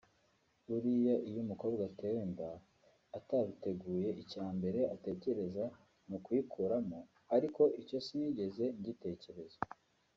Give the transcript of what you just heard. Buriya iyo umukobwa yatewe inda atabiteguye icya mbere atekereza ni ukuyikuramo ariko icyo sinigeze ngitekereza